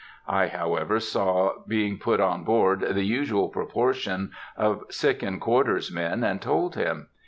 I however saw being put on board the usual proportion of sick in quarters men, and told him.